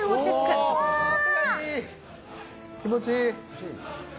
あー気持ちいい！